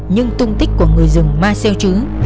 nhưng tung tích của người rừng ma xeo trứ